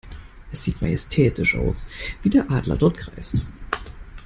Es sieht majestätisch aus, wie der Adler dort kreist.